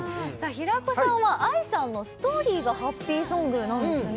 平子さんはＡＩさんの「Ｓｔｏｒｙ」がハッピーソングなんですね